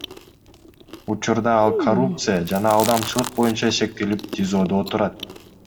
Учурда ал коррупция жана алдамчылык боюнча шектелип ТИЗОдо отурат.